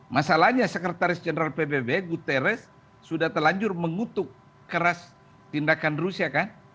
masalahnya sekretaris jenderal pbb guterres sudah telanjur mengutuk keras tindakan rusia kan